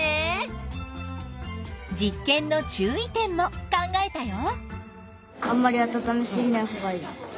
実験の注意点も考えたよ。